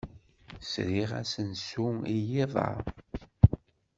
Sriɣ asensu i yiḍ-a.